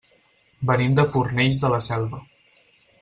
Venim de Fornells de la Selva.